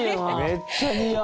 めっちゃ似合う。